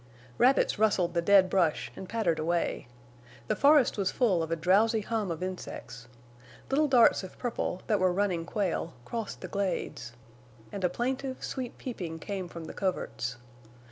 Rabbits rustled the dead brush and pattered away. The forest was full of a drowsy hum of insects. Little darts of purple, that were running quail, crossed the glades. And a plaintive, sweet peeping came from the coverts.